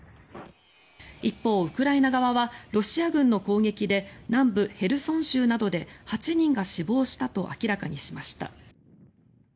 一方、ウクライナ側はロシア軍の攻撃で南部ヘルソン州などで８人が死亡したと明らかにしました。